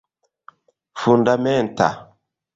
fundamenta